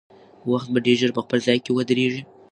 وخت به ډېر ژر په خپل ځای کې ودرېږي.